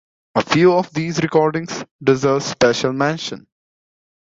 A few of these recordings deserve special mention.